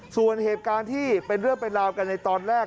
ส่วนเหตุการณ์ที่เป็นเรื่องเป็นราวกันในตอนแรก